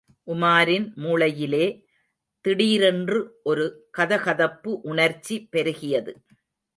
உமாரின் மூளையிலே திடீரென்று ஒரு கதகதப்பு உணர்ச்சி பெருகியது.